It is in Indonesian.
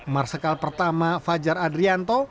marsikal pertama fajar adrianto